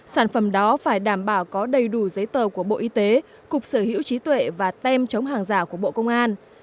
sản phẩm đó phải đảm bảo có đầy đủ giấy tờ của bộ y tế cục sở hữu trí tuệ và tem chống hàng giả của bộ công an